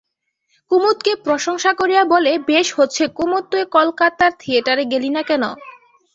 কুমুদকে প্রশংসা করিয়া বলে, বেশ হচ্ছে কুমুদ তুই কলকাতার থিয়েটারে গেলি না কেন?